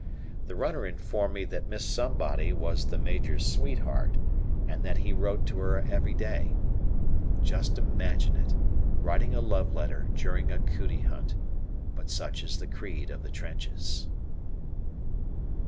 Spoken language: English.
The "runner" informed me that Miss Somebody was the major's sweetheart and that he wrote to her every day. Just imagine it, writing a love letter during a "cootie" hunt; but such is the creed of the trenches.